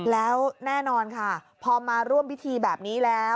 แล้วแน่นอนค่ะพอมาร่วมพิธีแบบนี้แล้ว